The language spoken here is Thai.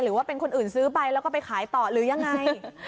หรือว่าเป็นคนอื่นซื้อไปแล้วก็ไปขายต่อหรือยังไง